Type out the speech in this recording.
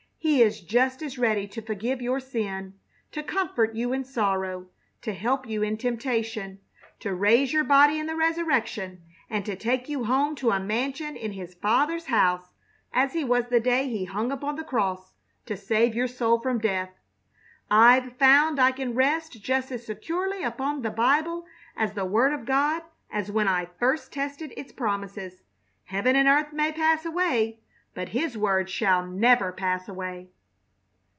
He is just as ready to forgive your sin, to comfort you in sorrow, to help you in temptation, to raise your body in the resurrection, and to take you home to a mansion in His Father's house as He was the day He hung upon the cross to save your soul from death. I've found I can rest just as securely upon the Bible as the word of God as when I first tested its promises. Heaven and earth may pass away, but His word shall never pass away."